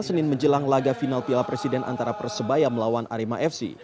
senin menjelang laga final piala presiden antara persebaya melawan arema fc